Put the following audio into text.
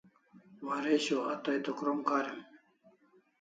Waresho a tai to krom karim